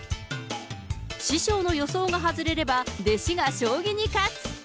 師匠の予想が外れれば、弟子が将棋に勝つ。